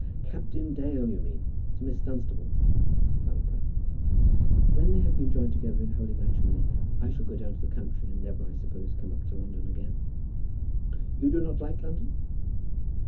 "Captain Dale you mean to Miss Dunstable?" said Fowler Pratt. "When they have been joined together in holy matrimony, I shall go down to the country, and never, I suppose, come up to London again." "You do not like London?"